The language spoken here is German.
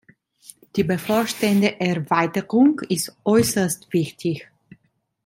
Die bevorstehende Erweiterung ist äußerst wichtig.